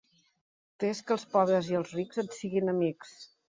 Fes que els pobres i els rics et siguin amics.